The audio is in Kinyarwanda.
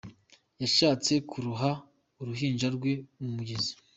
Yashatse kuroha uruhinja rwe mu mugezi.